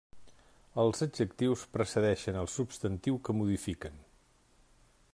Els adjectius precedeixen el substantiu que modifiquen.